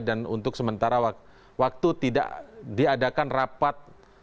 dan untuk sementara waktu tidak diadakan rapat